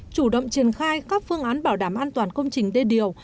chủ động triển khai các phương án bảo đảm an toàn công trình đê điều